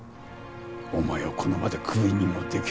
お前をこの場でクビにもできる。